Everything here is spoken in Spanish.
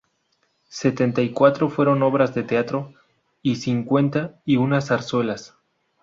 Setenta y cuatro fueron obras de teatro, y cincuenta y un zarzuelas.